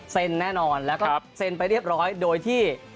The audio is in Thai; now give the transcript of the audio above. แน่นอนแล้วก็เซ็นไปเรียบร้อยโดยที่